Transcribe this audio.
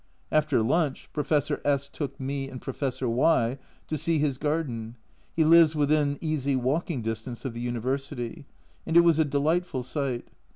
After lunch Professor S took me and Professor Y to see his garden (he lives within easy walking distance of the University), and it was a delightful sight.